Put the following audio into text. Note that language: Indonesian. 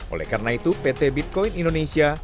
oleh karena itu pt bitcoin indonesia